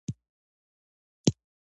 مدار د الکترون د حرکت لاره ده.